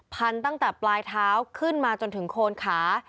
ตั้งแต่ปลายเท้าขึ้นมาจนถึงโคนขา